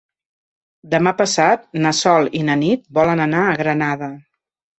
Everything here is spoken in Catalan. Demà passat na Sol i na Nit volen anar a la Granada.